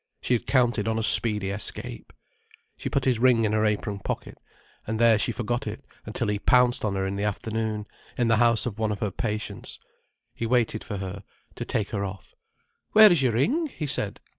She had counted on a speedy escape. She put his ring in her apron pocket, and there she forgot it until he pounced on her in the afternoon, in the house of one of her patients. He waited for her, to take her off. "Where is your ring?" he said.